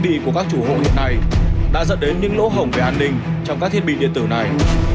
đi của các chủ hộ hiện nay đã dẫn đến những lỗ hồng về an ninh trong các thiết bị điện tử này